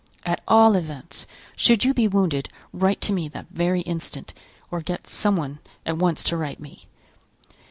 At all events, should you be wounded, write to me that very instant, or get some one at once to write to me.